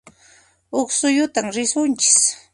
Huq suyutan risunchis